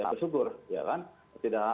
bersyukur ya kan tidak